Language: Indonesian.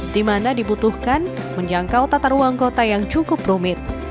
di mana dibutuhkan menjangkau tata ruang kota yang cukup rumit